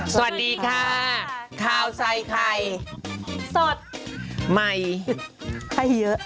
สวัสดีค่ะข้าวใส่ไข่สดใหม่ให้เยอะ